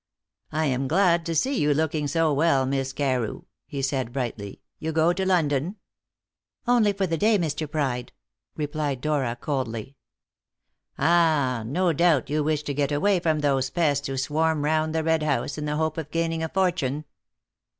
"I am glad to see you looking so well, Miss Carew," he said brightly. "You go to London?" "Only for the day, Mr. Pride," replied Dora coldly. "Ah! no doubt you wish to get away from those pests who swarm round the Red House in the hope of gaining a fortune."